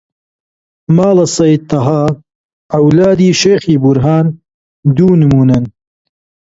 ماڵە سەید تەها، عەولادی شێخی بورهان دوو نموونەن